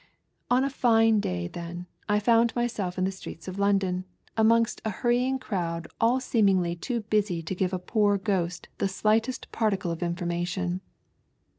One fine day then, I foimd myself in the streets of London, amonget a hurrying crowd nil seemingly too busy to give a poor ghost the slightest particle of information.